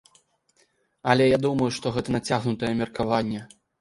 Але я думаю, што гэта нацягнутае меркаванне.